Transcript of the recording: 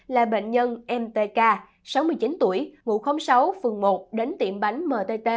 là bệnh nhân mtk sáu mươi chín tuổi ngụ khóm sáu phường một đến tiệm bánh mtt